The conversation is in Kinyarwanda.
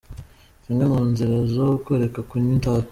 Zimwe mu nzira zo kureka kunywa itabi